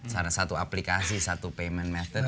salah satu aplikasi satu method payment